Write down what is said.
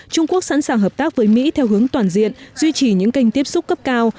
trung quốc sẵn sàng hợp tác với mỹ theo hướng toàn diện duy trì những kênh tiếp xúc cấp cao